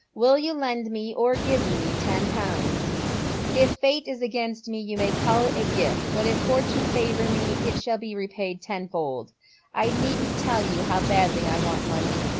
Will you lend me, or give me, ten pounds ? H Fate is against me you may call it a gift, but if Fortune favour mo it shall be repaid tenfold. I needn't tell you how badly I want money.